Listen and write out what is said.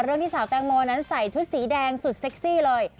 ที่สาวแตงโมนั้นใส่ชุดสีแดงสุดเซ็กซี่เลย